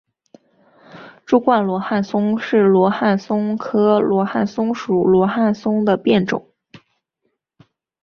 柱冠罗汉松是罗汉松科罗汉松属罗汉松的变种。